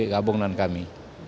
gabung dengan kami